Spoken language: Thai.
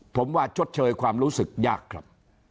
ผมว่าชดเชยความรู้สึกยากครับ